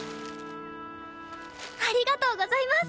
ありがとうございます！